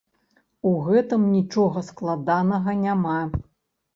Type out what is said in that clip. У гэтым нічога складанага няма.